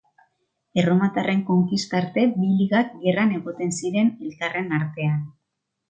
Erromatarren konkista arte bi ligak gerran egoten ziren elkarren artean.